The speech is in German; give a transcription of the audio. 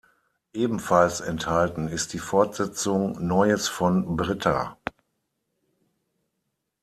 Ebenfalls enthalten ist die Fortsetzung "Neues von Britta".